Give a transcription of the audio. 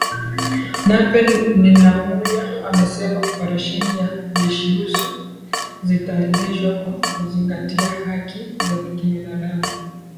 Nape Nnauye amesema operesheni za JeshiUsu zitaendeshwa kwa kuzingatia haki za kibinadamu